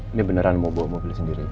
ini beneran mau bawa mobil sendiri